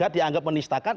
yang ini dianggap menistakan